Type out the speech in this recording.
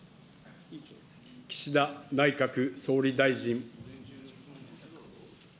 岸田内閣総理大臣。